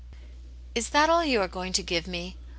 '* T S that all you are going to give me